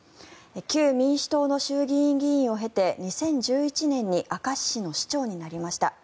旧民主党の衆議院議員を経て２０１１年に明石市の市長になりました。